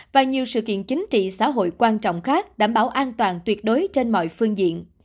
và nhiều sự kiện chính trị xã hội quan trọng khác đảm bảo an toàn tuyệt đối trên mọi phương diện